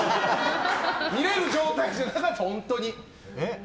見れる状態じゃなかった。